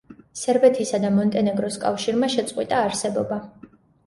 სერბეთისა და მონტენეგროს კავშირმა შეწყვიტა არსებობა.